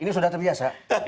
ini sudah terbiasa